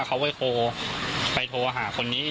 เขาไปโทรไปโทรหาคนนี้